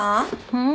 うん？